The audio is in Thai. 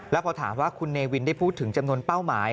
แล้วพอถามว่าคุณเนวินได้พูดถึงจำนวนเป้าหมาย